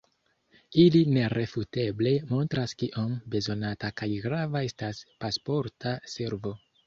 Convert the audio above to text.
Ili nerefuteble montras kiom bezonata kaj grava estas Pasporta Servo.